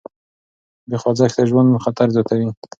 بې خوځښته ژوند خطر زیاتوي.